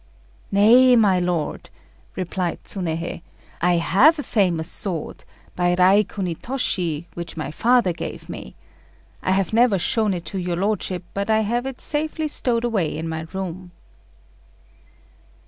"Nay, my lord," replied Tsunéhei; "I have a famous sword, by Rai Kunitoshi, which my father gave me. I have never shown it to your lordship, but I have it safely stowed away in my room."